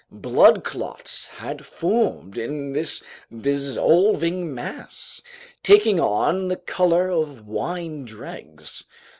Blood clots had formed in this dissolving mass, taking on the color of wine dregs.